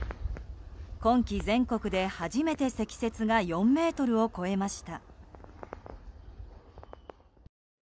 今季、全国で初めて積雪が４ｍを超えました。